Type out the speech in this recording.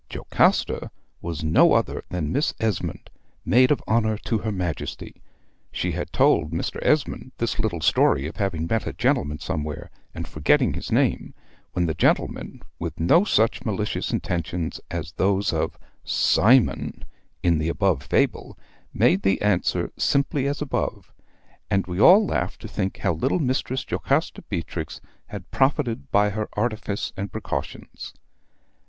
Jocasta was no other than Miss Esmond, Maid of Honor to her Majesty. She had told Mr. Esmond this little story of having met a gentleman somewhere, and forgetting his name, when the gentleman, with no such malicious intentions as those of "Cymon" in the above fable, made the answer simply as above; and we all laughed to think how little Mistress Jocasta Beatrix had profited by her artifice and precautions.